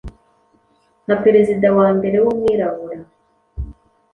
nka perezida wa mbere w’umwirabura